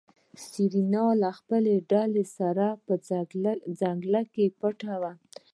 سېرېنا له خپلې ډلې سره په ځنګله کې پټه وه.